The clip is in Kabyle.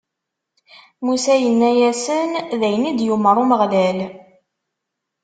Musa yenna-asen: D ayen i d-yumeṛ Umeɣlal.